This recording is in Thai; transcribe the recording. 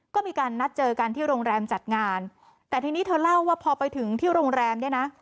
ก็มีการนัดเจอกันที่โรงแรมจัดงานแต่ทีนี้เธอเล่าว่าพอไปถึงที่โรงแรมเนี่ยนะ